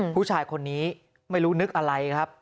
ผู้ชายคนนี้ไม่รู้นึกอะไรครับ